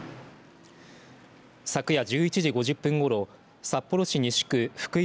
昨夜１１時５０分ごろ札幌市西区福井